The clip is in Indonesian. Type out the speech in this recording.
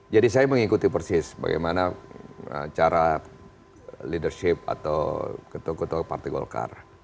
jadi saya mengikuti persis bagaimana cara leadership atau ketua ketua partai golkar